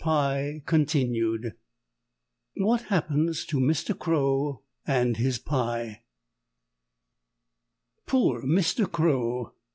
PIE CONTINUED WHAT HAPPENS TO MR. CROW AND HIS PIE Poor Mr. Crow!